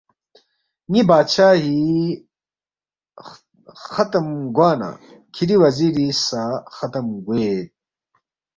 ن٘ی بادشاہی ختم گوا نہ کِھری وزیری سہ ختم گوید